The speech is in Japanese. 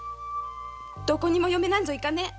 どこにも嫁になんぞいかねえ。